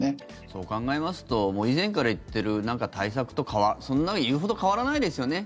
そう考えますと以前から言ってる対策とそんな言うほど変わらないですよね。